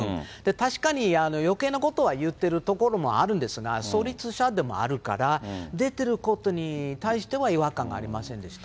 確かによけいなことは言ってるところもあるんですが、創立者でもあるから、出てることに対しては違和感がありませんでした。